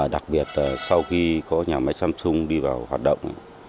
đặc biệt là sau khi có nhà máy samsung đi vào hoạt động